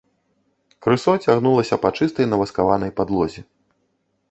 Крысо цягнулася па чыстай наваскаванай падлозе.